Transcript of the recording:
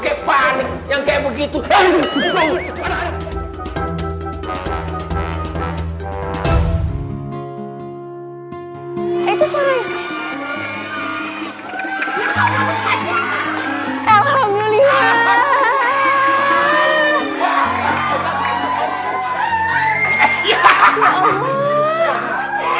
kesianan banget ini pada yang lo tolongin apa tolongin kita sampai